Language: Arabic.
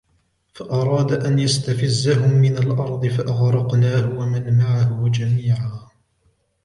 فَأَرَادَ أَنْ يَسْتَفِزَّهُمْ مِنَ الْأَرْضِ فَأَغْرَقْنَاهُ وَمَنْ مَعَهُ جَمِيعًا